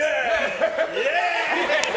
イエーイ！